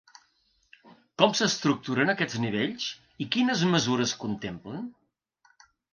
Com s’estructuren aquests nivells i quines mesures contemplen?